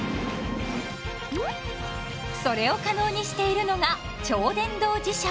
それを可能にしているのが超電動磁石。